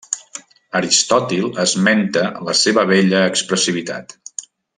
Aristòtil esmenta la seva bella expressivitat.